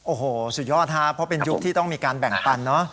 โอ้โหสุดยอดครับเพราะเป็นยุคที่ต้องมีการแบ่งปันเนอะ